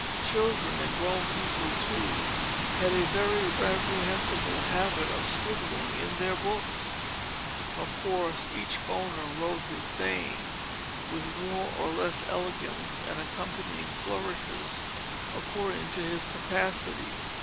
Children (and grown people too) had a very reprehensible habit of scribbling in their books. Of course each owner wrote his name, with more or less elegance and accompanying flourishes, according to his capacity.